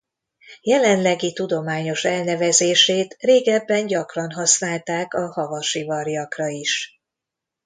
Jelenlegi tudományos elnevezését régebben gyakran használták a havasi varjakra is.